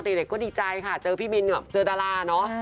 เด็กก็ดีใจค่ะเจอพี่บินเจอดาราเนอะ